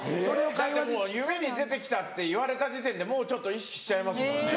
だってもう夢に出て来たって言われた時点でちょっと意識しちゃいますもんね。